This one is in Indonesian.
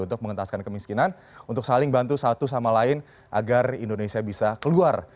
untuk mengentaskan kemiskinan untuk saling bantu satu sama lain agar indonesia bisa keluar